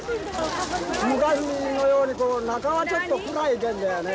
昔のように中がちょっと暗いけんどやね。